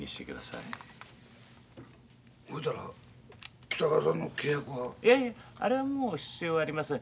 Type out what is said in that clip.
いやいやあれはもう必要ありません。